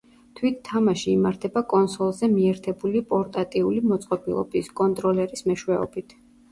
თვით თამაში იმართება კონსოლზე მიერთებული პორტატიული მოწყობილობის, კონტროლერის მეშვეობით.